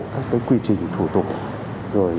các quy trình thủ tục rồi